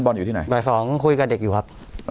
บ่าย๒คุยกับเด็กอยู่ครับ